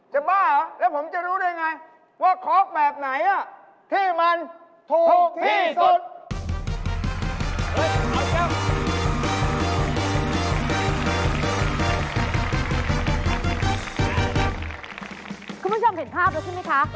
คุณผู้ชมเห็นภาพแล้วใช่ไหมคะ